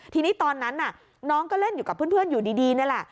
ทีนี้ตอนนั้นน้องก็เล่นอยู่กับเพื่อนอยู่ดีนี่แหละ